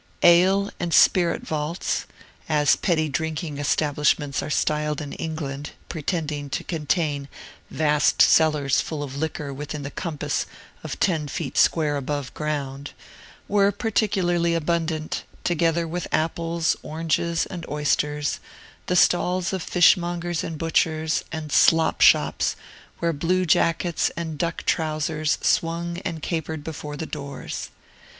Ale and spirit vaults (as petty drinking establishments are styled in England, pretending to contain vast cellars full of liquor within the compass of ten feet square above ground) were particularly abundant, together with apples, oranges, and oysters, the stalls of fishmongers and butchers, and slop shops, where blue jackets and duck trousers swung and capered before the doors.